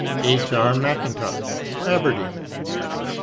H. R. Mackintosh. Aberdeen.